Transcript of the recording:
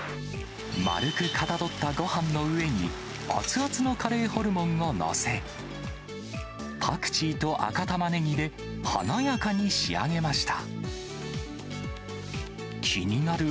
丸くかたどったごはんの上に、熱々のカレーホルモンを載せ、パクチーと赤タマネギで華やかに仕上げました。